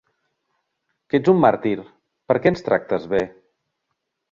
Què ets un màrtir? Perquè ens tractes bé?